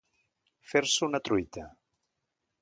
Fer-se una truita.